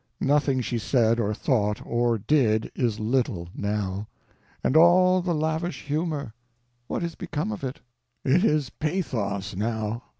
Nothing she said or thought or did is little now. And all the lavish humor!—what is become of it? It is pathos, now.